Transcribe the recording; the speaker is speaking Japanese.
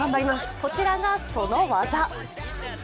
こちらがその技。